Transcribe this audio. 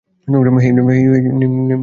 হেই, নেমে ওকে নিয়ে আয়।